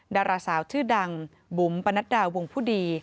ดาราสาวชื่อดังบุ๋มปนัดดาวงผู้ดี